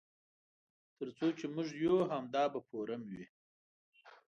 تر څو چې موږ یو همدا به فورم وي.